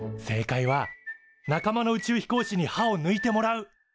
正解は仲間の宇宙飛行士に歯をぬいてもらう。